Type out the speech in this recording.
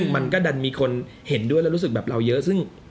มันก็ดัดมีคนเห็นด้วยรู้สึกเราเยอะ